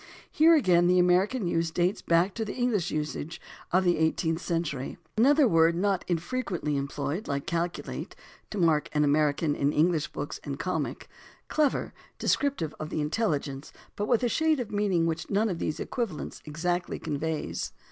Here again the American use dates back to the English usage of the eighteenth century. Another word not infrequently employed, like " calcu late," to mark an American in EngHsh books and comic papers is "smart" in the sense of "bright," "quick," "clever," descriptive of the intelligence, but with a shade of meaning which none of these equivalents exactly conveys.